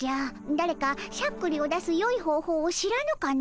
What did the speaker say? だれかしゃっくりを出すよい方法を知らぬかの？